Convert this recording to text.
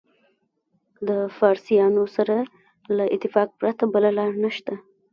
د فارسیانو سره له اتفاق پرته بله لاره نشته.